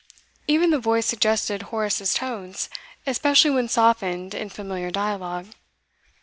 Even the voice suggested Horace's tones, especially when softened in familiar dialogue.